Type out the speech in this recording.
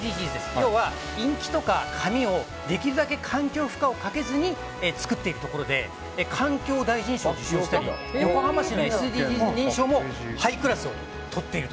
要はインキとか紙をできるだけ環境負荷をかけずに作っているところで環境大臣賞を受賞していて横浜市のＳＤＧｓの賞も受賞している。